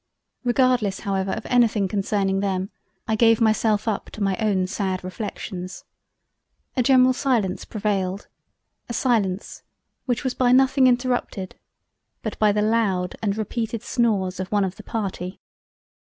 Regardless however of anything concerning them, I gave myself up to my own sad Reflections. A general silence prevailed—A silence, which was by nothing interrupted but by the loud and repeated snores of one of the Party.